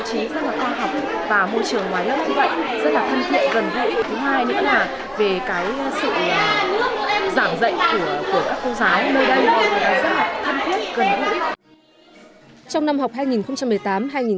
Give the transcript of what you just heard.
thứ hai nữa là về sự giảng dạy của các cô giái nơi đây rất là thân thiện gần gãy